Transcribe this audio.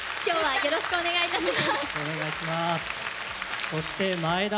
よろしくお願いします。